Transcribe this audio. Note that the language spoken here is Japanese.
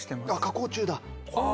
加工中だ。